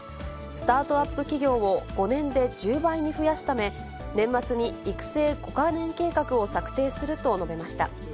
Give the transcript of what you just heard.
スタートアップ企業を５年で１０倍に増やすため、年末に育成５か年計画を策定すると述べました。